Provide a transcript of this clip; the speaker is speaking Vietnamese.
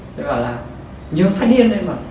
thế bảo là nhớ phát điên lên mà